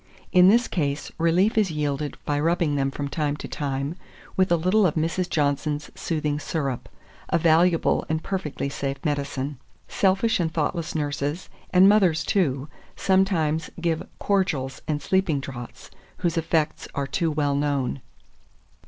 In this case, relief is yielded by rubbing them from time to time with a little of Mrs. Johnson's soothing syrup, a valuable and perfectly safe medicine. Selfish and thoughtless nurses, and mothers too, sometimes give cordials and sleeping draughts, whose effects are too well known.